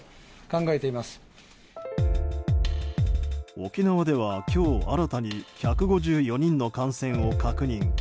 沖縄では今日新たに１５４人の感染を確認。